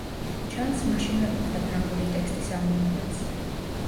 ჩანს, მაშინვე მოხდა ფრანგული ტექსტის ამოღებაც.